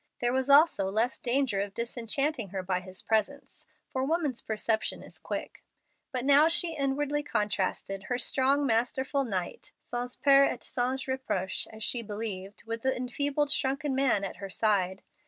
There was also less danger of disenchanting her by his presence, for woman's perception is quick. But now she inwardly contrasted her strong, masterful knight, "sans peur et sans reproche," as she believed, with the enfeebled, shrunken man at her side.